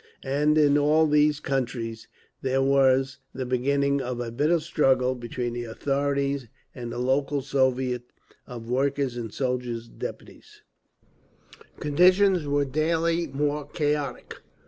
And in all these countries there was the beginning of a bitter struggle between the authorities and the local Soviets of Workers' and Soldiers' Deputies…. Conditions were daily more chaotic.